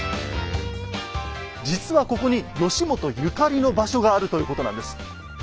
実はここに義元ゆかりの場所があるということなんです。